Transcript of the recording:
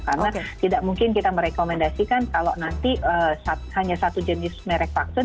karena tidak mungkin kita merekomendasikan kalau nanti hanya satu jenis merek vaksin